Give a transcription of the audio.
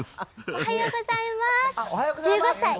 おはようございます。